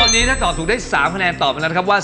หมายถึงว่าสี